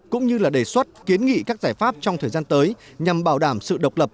cũng như là đề xuất kiến nghị các giải pháp trong thời gian tới nhằm bảo đảm sự độc lập